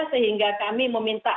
sehingga kami meminta